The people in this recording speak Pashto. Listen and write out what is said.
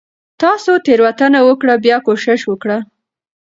تاسو تيروتنه وکړه . بيا کوشش وکړه